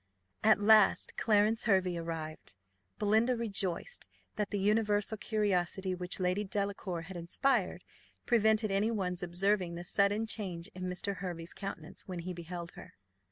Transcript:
At last Clarence Hervey arrived. Belinda rejoiced that the universal curiosity which Lady Delacour had inspired prevented any one's observing the sudden change in Mr. Hervey's countenance when he beheld her.